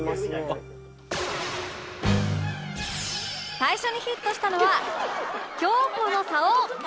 最初にヒットしたのは京子の竿